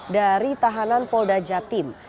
dari tahanan polda jatim